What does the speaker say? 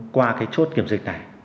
qua cái chốt kiểm dịch này